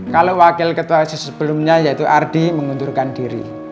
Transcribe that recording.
kalo wakil ketua asis sebelumnya yaitu ardi mengunturkan diri